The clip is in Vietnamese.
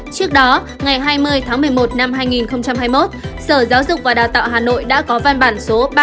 trước đó ngày hai mươi tháng một mươi một năm hai nghìn hai mươi một sở giáo dục và đào tạo hà nội đã có văn bản số ba nghìn chín trăm chín mươi năm